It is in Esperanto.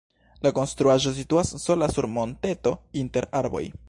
La konstruaĵo situas sola sur monteto inter arboj.